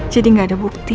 jadi gak ada bukti